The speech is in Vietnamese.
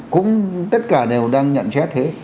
cũng tất cả đều đang nhận xét thế